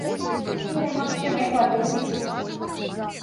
Ці, магчыма, іх варта замяніць?